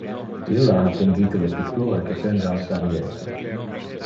Illa ha pingite le pictura que pende al pariete.